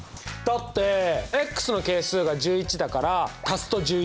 だっての係数が１１だから足すと１１。